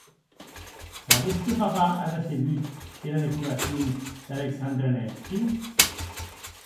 Sabes que papa a recebut era decoracion d'Aleksandre Nevsky?